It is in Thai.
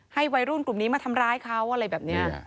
วัยรุ่นกลุ่มนี้มาทำร้ายเขาอะไรแบบนี้